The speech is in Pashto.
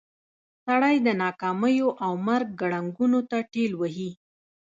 سړی د ناکاميو او مرګ ګړنګونو ته ټېل وهي.